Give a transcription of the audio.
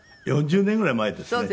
４０年ぐらい前ですね。